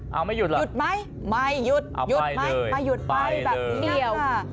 เอาไม่หยุดเหรอหยุดไหมไม่หยุดเอาไปเลยไม่หยุดไปไปเลยแบบเดียว